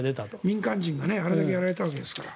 民間人があれだけやられたわけですから。